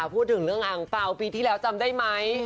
พูดถึงเรื่องอังเปล่าปีที่แล้วจำได้ไหม